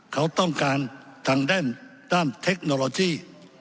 เขาต้องการทางด้านเทคโนโลยี